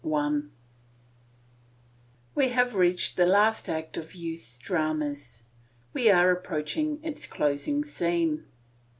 BOOK V We have reached the last act of youth's drama; we are approaching its closing scene.